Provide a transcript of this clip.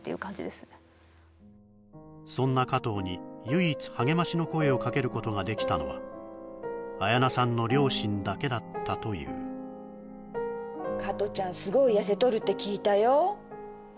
そんな加藤に唯一励ましの声をかけることができたのは綾菜さんの両親だけだったという加トちゃんすごい痩せとるって聞いたよ